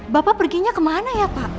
bapak perginya kemana ya pak